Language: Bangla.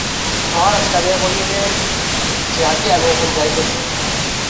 মহারাজ কাঁদিয়া বলিবেন–যে আজ্ঞে, আমি এখনি যাইতেছি।